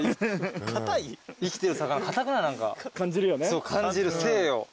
そう感じる生を。